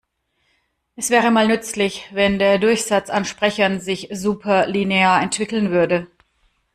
Es wäre mal nützlich, wenn der Durchsatz an Sprechern sich superlinear entwickeln würde.